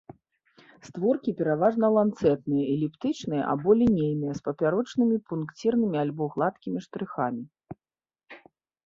Створкі пераважна ланцэтныя, эліптычныя або лінейныя, з папярочнымі пункцірнымі або гладкімі штрыхамі.